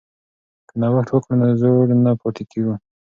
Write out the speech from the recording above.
که نوښت وکړو نو زوړ نه پاتې کیږو.